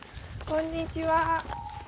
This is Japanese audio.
こんにちは。